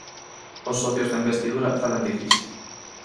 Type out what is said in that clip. Os socios da investidura falan de crise.